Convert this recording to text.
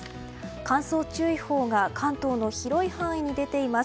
乾燥注意報が関東の広い範囲に出ています。